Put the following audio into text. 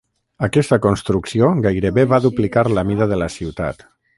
Aquesta construcció gairebé va duplicar la mida de la ciutat.